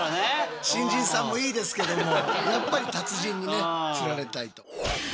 新人さんもいいですけどもやっぱり達人にね釣られたいと。